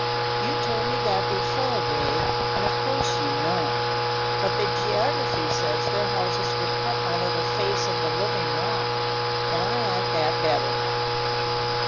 "You told me that before, Ray, and of course you know. But the geography says their houses were cut out of the face of the living rock, and I like that better."